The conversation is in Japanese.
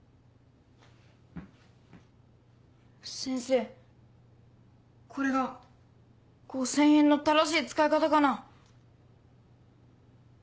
先生これが５０００円の正しい使い方かな？